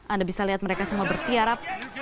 anda bisa lihat mereka semua bertiarap